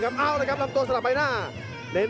ชัมเปียร์ชาเลน์